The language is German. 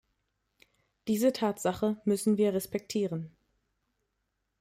Diese Tatsache müssen wir respektieren.